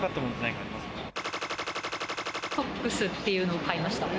ソックスっていうのを買いました。